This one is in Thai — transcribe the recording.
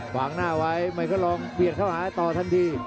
หวังหน้าไว้ไมค์เขาลองเบียดเข้ามาให้ต่อทันที